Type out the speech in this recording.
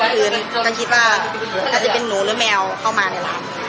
คืนฉันคิดว่าน่าจะเป็นหนูหรือแมวเข้ามาในร้าน